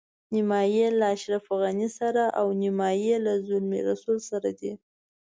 نیمایي یې له اشرف غني سره او نیمایي له زلمي رسول سره دي.